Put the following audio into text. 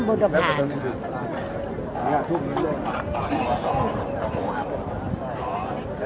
มันเป็นสิ่งที่จะให้ทุกคนรู้สึกว่ามันเป็นสิ่งที่จะให้ทุกคนรู้สึกว่า